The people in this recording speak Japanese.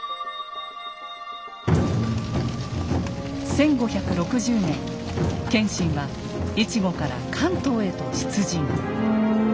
１５６０年謙信は越後から関東へと出陣。